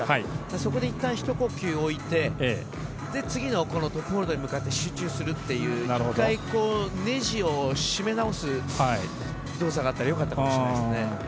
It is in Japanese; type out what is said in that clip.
そこでいったん、ひと呼吸置いて次のところに向かって集中するという１回ねじを締めなおす動作があったら良かったかもしれないですね。